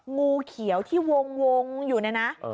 งูเขียวที่วงอยู่เนี่ยนะ